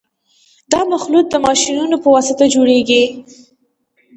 دا مخلوط د ماشینونو په واسطه جوړیږي